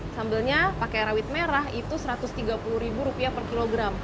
sambelnya pakai rawit merah itu satu ratus tiga puluh ribu rupiah per kilogram